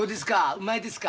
うまいですか？